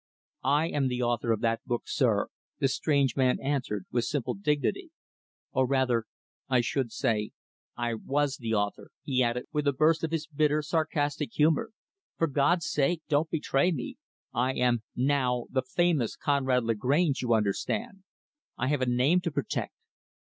"I am the author of that book, sir," the strange man answered with simple dignity, " or, rather, I should say, I was the author," he added, with a burst of his bitter, sarcastic humor. "For God's sake don't betray me. I am, now, the famous Conrad Lagrange, you understand. I have a name to protect."